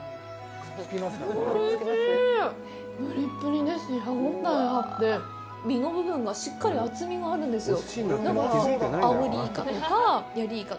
ぷりぷりだし、歯応えがあって身の部分がしっかり厚みがあるんですよ。